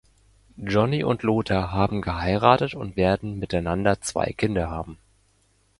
Jonny und Lothar haben geheiratet und werden miteinander zwei Kinder haben.